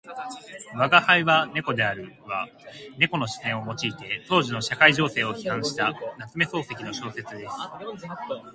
「吾輩は猫である」は猫の視線を用いて当時の社会情勢を批評した夏目漱石の小説です。